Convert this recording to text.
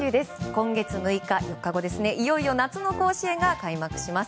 今月６日、いよいよ夏の甲子園が開幕します。